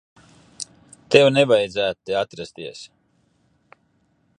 Tev nevajadzētu te atrasties.